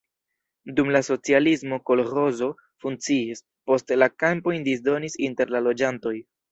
Dum la socialismo kolĥozo funkciis, poste la kampojn disdonis inter la loĝantoj.